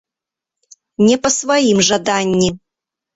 Не па сваім жаданні.